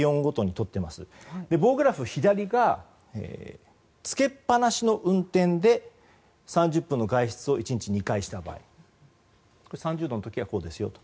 棒グラフ左がつけっぱなしの運転で３０分の外出を１日２回した場合３０度の時はこうですよと。